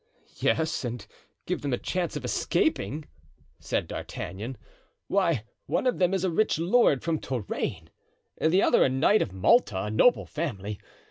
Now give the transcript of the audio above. "Yes, and give them a chance of escaping," said D'Artagnan. "Why, one of them is a rich lord from Touraine and the other a knight of Malta, of noble family.